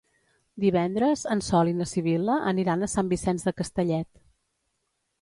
Divendres en Sol i na Sibil·la aniran a Sant Vicenç de Castellet.